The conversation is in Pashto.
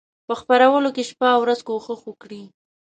په خپرولو کې شپه او ورځ کوښښ وکړي.